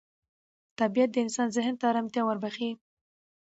طبیعت د انسان ذهن ته ارامتیا وربخښي